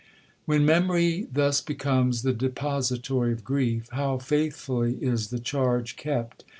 'When memory thus becomes the depository of grief, how faithfully is the charge kept!